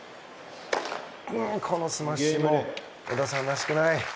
このスマッシュも小田さんらしくない。